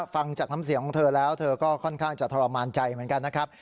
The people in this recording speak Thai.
ฟังจากน้ำเสียงของเธอแล้วเธอก็ค่อนข้างจะทรมานใจเหมือนกันนะครับ